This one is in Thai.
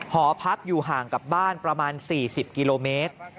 หอพักอยู่ห่างกับบ้านประมาณ๔๐กิโลเมตร